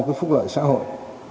không phúc lợi xã hội